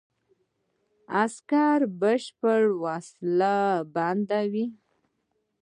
عسکر بشپړ وسله بند وو.